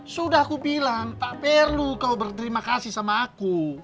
sudah aku bilang tak perlu kau berterima kasih sama aku